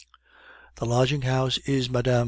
The lodging house is Mme.